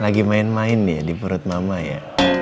lagi main main nih di perut mama ya